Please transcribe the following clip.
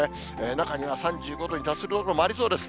中には３５度に達する所もありそうです。